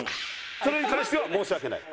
それに関しては申し訳ない。